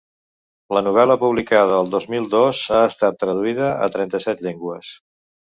La novel·la, publicada en dos mil dos, ha estat traduïda a trenta-set llengües.